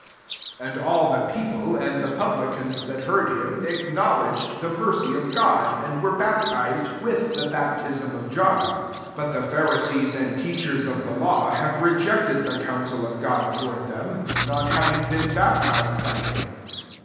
^ And all the people, and publicans, that heard Aim, >wledged the mercy qf ^and were baptized, with [baptism of John. $0 But the ges and teachers of the r have rejected the council of toward them, not having baptized by him.